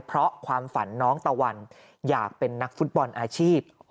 เพราะความฝันน้องตะวันอยากเป็นนักฟุตบอลอาชีพ